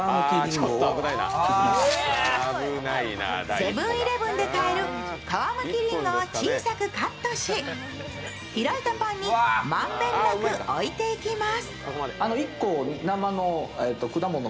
セブン−イレブンで買える皮むきりんごを小さくカットし開いたパンに満遍なく置いていきます。